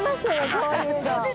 こういうの。